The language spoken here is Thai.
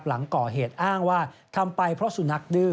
หลังก่อเหตุอ้างว่าทำไปเพราะสุนัขดื้อ